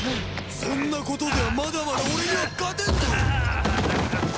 そんなことではまだまだ俺には勝てんぞ！